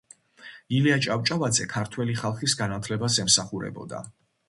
ილია ჭავჭავაძე ქართველი ხალხის განათლებას ემსახურებოდა.